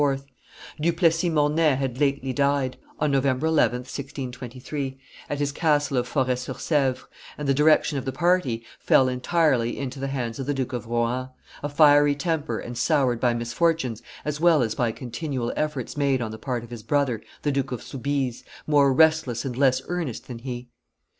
Du Plessis Mornay had lately died (November 11, 1623) at his castle of Foret sur Sevres, and the direction of the party fell entirely into the hands of the Duke of Rohan, a fiery temper and soured by misfortunes as well as by continual efforts made on the part of his brother, the Duke of Soubise, more restless and less earnest than he.